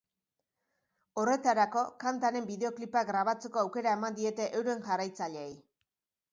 Horretarako, kantaren bideoklipa grabatzeko aukera eman diete euren jarraitzaileei.